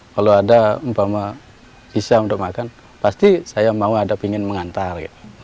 kalau ada mpama bisa untuk makan pasti saya mau ada pingin mengantar